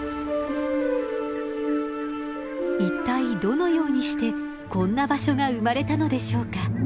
一体どのようにしてこんな場所が生まれたのでしょうか？